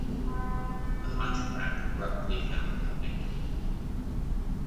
The hunchback abruptly found a victim.